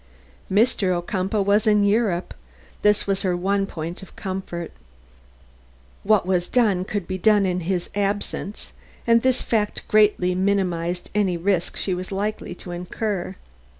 Mr. Ocumpaugh was in Europe. This was her one point of comfort. What was done could be done in his absence, and this fact greatly minimized any risk she was likely to incur.